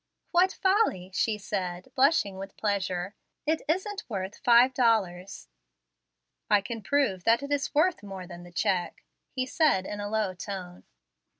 "What folly!" she said, blushing with pleasure; "it isn't worth five dollars." "I can prove that it is worth more than the check," he said, in a low tone.